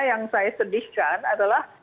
yang saya sedihkan adalah